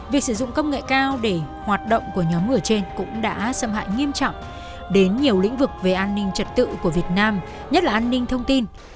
việc sử dụng công nghệ cao để hoạt động của nhóm người trên cũng đã xâm hại nghiêm trọng đến nhiều lĩnh vực về an ninh trật tự của việt nam nhất là an ninh thông tin